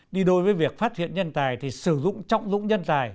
đi đôi với việc phát hiện nhân tài thì sử dụng trọng dũng nhân tài